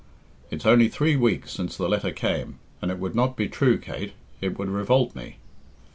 It's only three weeks since the letter came and it would not be true, Kate it would revolt me."